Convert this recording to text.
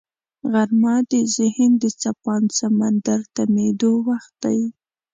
غرمه د ذهن د څپاند سمندر تمېدو وخت دی